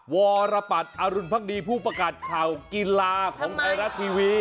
วรปัตรอรุณภักดีผู้ประกาศข่าวกีฬาของไทยรัฐทีวี